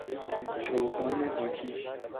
چوگان هاکی